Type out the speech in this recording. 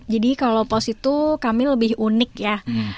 jadi kalau pos itu kami lebih unik ya